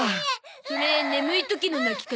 それ眠い時の泣き方。